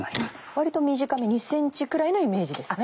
割と短め２ｃｍくらいのイメージですね？